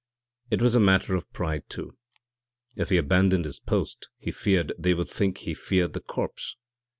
It was a matter of pride, too. If he abandoned his post he feared they would think he feared the corpse.